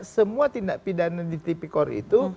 semua tindak pidana di tipikor itu